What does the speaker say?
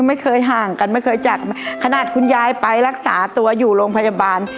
ไม่เคยห่างกันไม่เคยจัดขนาดคุณยายไปรักษาตัวอยู่โรงพยาบาล